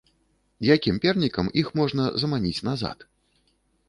Якім пернікам іх можна заманіць назад?